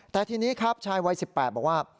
แต่ทีนี้ครับชายวัย๑๘บอกว่า